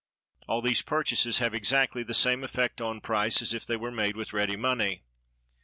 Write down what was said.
All these purchases have exactly the same effect on price as if they were made with ready money.